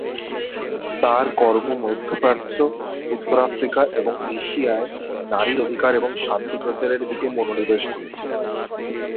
তার কর্ম মধ্যপ্রাচ্য, উত্তর আফ্রিকা এবং এশিয়ায় নারীর অধিকার এবং শান্তি প্রচারের দিকে মনোনিবেশ করেছে।